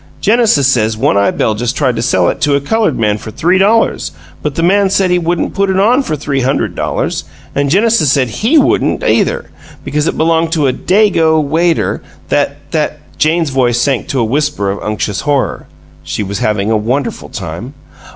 Genesis says One eye Beljus tried to sell it to a colored man for three dollars, but the man said he wouldn't put in on for three hunderd dollars, an' Genesis says HE wouldn't, either, because it belonged to a Dago waiter that that " Jane's voice sank to a whisper of unctuous horror. She was having a wonderful time!